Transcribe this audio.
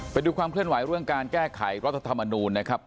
ไปดูความเคลื่อนไหวเรื่องการแก้ไขรัฐธรรมนูลนะครับ